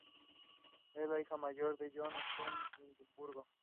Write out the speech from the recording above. Era la hija mayor de John Stein de Edimburgo.